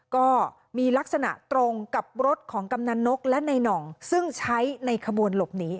ก็มีลักษณะตรงกับรถของกำนันนกและในหน่องซึ่งใช้ในขบวนหลบหนี